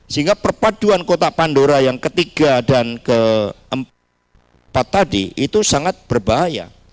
sehingga perpaduan kota pandora yang ketiga dan keempat tadi itu sangat berbahaya